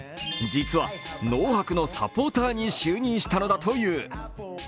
実は農泊のサポーターに就任したのだという。